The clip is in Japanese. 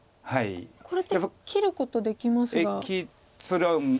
これって切ることできますが。